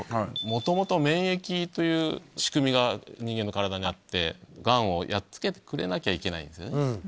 元々免疫という仕組みが人間の体にあってガンをやっつけてくれなきゃいけないんですよね。